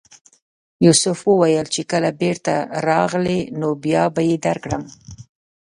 یوسف وویل چې کله بېرته راغلې نو بیا به یې درکړم.